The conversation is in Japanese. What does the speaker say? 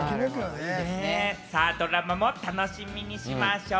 ドラマも楽しみにしましょう。